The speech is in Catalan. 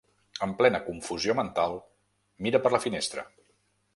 En plena confusió mental mira per la finestra.